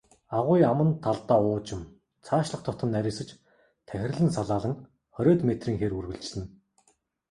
Агуй аман талдаа уужим, цаашлах тутам нарийсаж тахирлан салаалан, хориод метрийн хэр үргэлжилнэ.